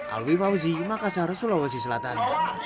alwi fauzi makassar sulawesi selatan